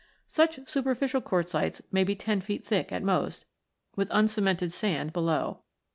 Such superficial quartzites may be ten feet thick at most, with uncemented sand below.